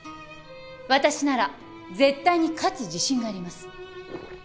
私なら絶対に勝つ自信があります。